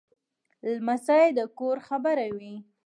لمسی د کور خبره وي.